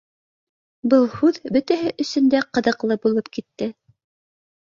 Был һүҙ бөтәһе өсөн дә ҡыҙыҡлы булып китте